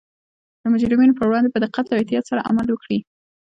د مجرمینو پر وړاندې په دقت او احتیاط سره عمل وکړي